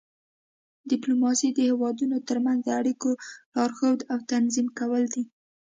ډیپلوماسي د هیوادونو ترمنځ د اړیکو لارښود او تنظیم کول دي